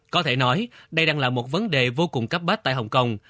có thể nói đây đang là một vấn đề vô cùng cấp bách tại hồng kông